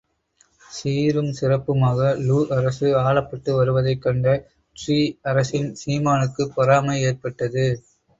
சீரும் சிறப்புமாக லூ அரசு ஆளப்பட்டு வருவதைக் கண்ட ட்ரீ அரசின் சீமானுக்குப் பொறாமை ஏற்பட்டது.